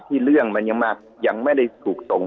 ที่เรื่องมันยังมากยังไม่ได้ถูกส่ง